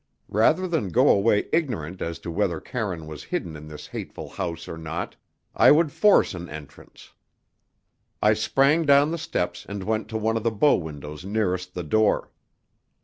Rather than go away ignorant as to whether Karine was hidden in this hateful house or not, I would force an entrance. I sprang down the steps and went to one of the bow windows nearest the door.